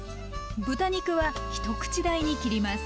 豚肉は一口大に切ります。